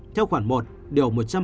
theo khoảng một một trăm hai mươi ba